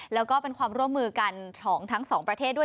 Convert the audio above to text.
แล้วก็เป็นความร่วมมือกันของทั้งสองประเทศด้วย